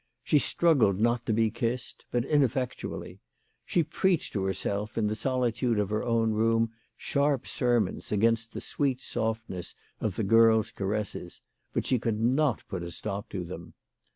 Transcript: She struggled not to be kissed, but ineffectually. She preached to herself, in the solitude of her own room, sharp sermons against the sweet softness of the girl's caresses ; but she could not put a stop to them.